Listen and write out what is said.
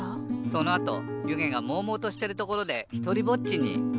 そのあとゆげがもうもうとしてるところでひとりぼっちに。